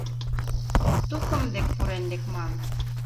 — Тукым дек пурен лекман.